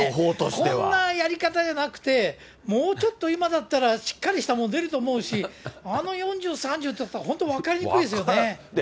こんなやり方じゃなくて、もうちょっと今だったらしっかりしたもの出ると思うし、あの４０、３０っていったら、本当分かりにくいですよね。